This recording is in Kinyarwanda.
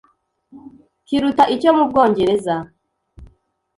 kiruta icyo mu Bwongereza,